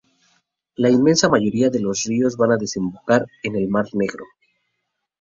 La inmensa mayoría de los ríos van a desembocar en el mar Negro.